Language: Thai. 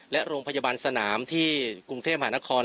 และโรงพยาบาลสนามที่กรุงเทพหานคร